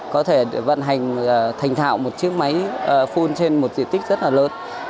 có thể vận hành thành thạo một chiếc máy phun trên một diện tích rất là lớn